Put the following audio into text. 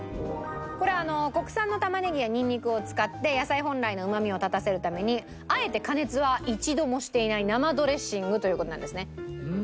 これ国産のタマネギやニンニクを使って野菜本来のうまみを立たせるためにあえて加熱は一度もしていない生ドレッシングという事なんですね。